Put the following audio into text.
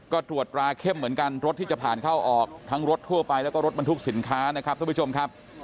ก็ตรวจตราเข้มเหมือนกันรถที่จะผ่านเข้าออกทั้งรถทั่วไปแล้วก็รถบรรทุกสินค้านะครับท่านผู้ชมครับ